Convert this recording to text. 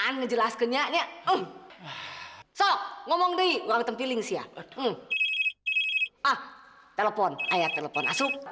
ngomong di warung piling siap telepon telepon